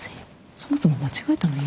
そもそも間違えたのは。